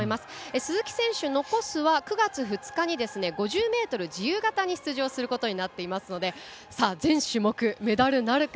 鈴木選手、残すは９月２日に５０ｍ自由形に出場することになっていますので全種目、メダルなるか。